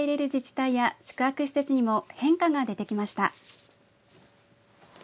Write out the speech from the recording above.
観光客を受け入れる自治体や宿泊施設にも変化が出てきました。